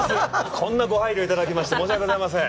こんなご配慮いただきまして申しわけございません。